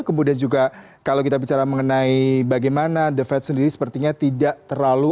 kemudian juga kalau kita bicara mengenai bagaimana the fed sendiri sepertinya tidak terlalu